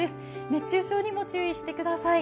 熱中症にも注意してください。